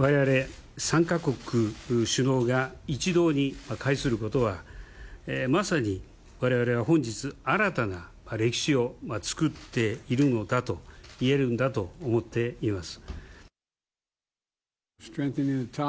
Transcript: われわれ３か国首脳が一堂に会することは、まさにわれわれは本日、新たな歴史を作っているのだと言えるんだと思っています。